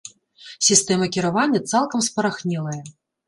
Сістэма кіравання цалкам спарахнелая.